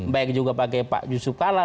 baik juga pakai pak isop kala